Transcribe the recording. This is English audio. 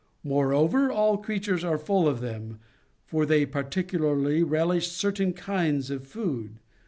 Moreover, all creatures are full of them, for they particu larly relish certain kinds of food.